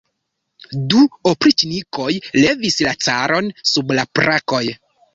Du opriĉnikoj levis la caron sub la brakoj.